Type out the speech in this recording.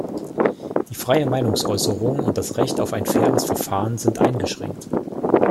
Die freie Meinungsäußerung und das Recht auf ein faires Verfahren sind eingeschränkt.